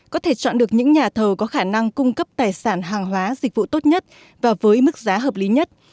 có thể chọn được những nhà thầu có khả năng cung cấp tài sản hàng hóa dịch vụ tốt nhất và với mức giá hợp lý nhất